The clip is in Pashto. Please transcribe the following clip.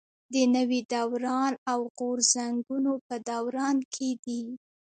د نوي دوران او غورځنګونو په دوران کې دي.